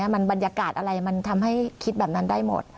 มันบรรยากาศอะไรมันทำให้คิดแบบนั้นได้หมด